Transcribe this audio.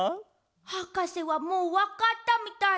はかせはもうわかったみたい。